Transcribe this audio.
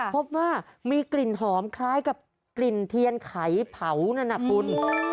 พบว่ามีกลิ่นหอมคล้ายกับกลิ่นเทียนไขเผานั่นนะคุณ